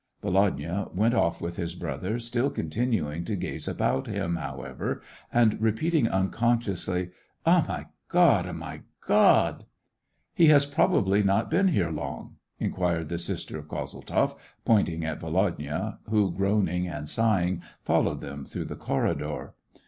Volodya went off with his brother, still continu ing to gaze about him, however, and repeating un consciously :—" Ah, my God ! Ah, my God !"" He has probably not been here long }" in quired the sister of Kozeltzoff, pointing at Volodya, who, groaning and sighing, followed them through the corridor.